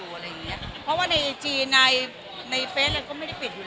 เพราะว่าในจีนในเฟสก็ไม่ได้ปิดอยู่แล้วอะไรอย่างเงี้ย